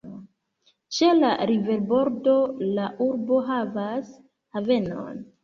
Ĉe la riverbordo la urbo havas havenon.